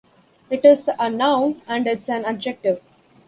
It's a noun and it's an adjective.